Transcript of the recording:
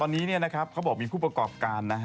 ตอนนี้เขาบอกมีผู้ประกอบการนะฮะ